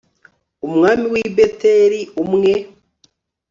umwami w'i beteli, umwe